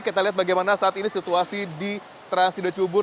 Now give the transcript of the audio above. kita lihat bagaimana saat ini situasi di trans studio cibubur